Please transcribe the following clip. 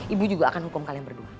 ibu juga akan hukum kalian berdua